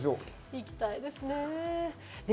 行きたいですね。